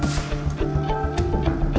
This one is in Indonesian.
bisa kayak dulu ya